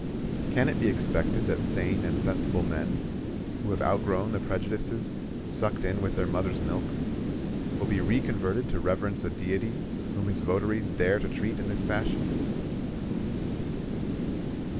Can it be expected that sane and sensible men, who have out grown the prejudices sucked in with their mothers' milk, will be reconverted to reverence a Deity whom his votaries dare to treat in this fashion?